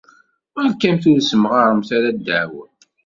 Beṛkamt ur ssemɣaremt ara ddeɛwa.